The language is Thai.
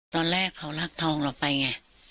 ตอนแรกเขารักทองเราไปไง